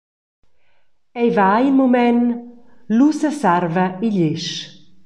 Ei va in mument, lu sesarva igl esch.